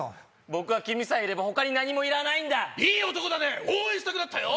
僕は君さえいれば他に何もいらないんだいい男だね応援したくなったよ